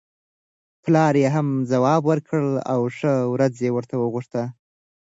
پلار یې هم ځواب ورکړ او ښه ورځ یې ورته وغوښته.